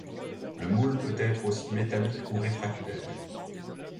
Le moule peut être aussi métallique ou réfractaire.